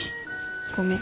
ごめん。